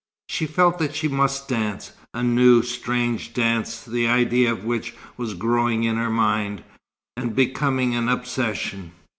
She felt that she must dance, a new, strange dance the idea of which was growing in her mind, and becoming an obsession.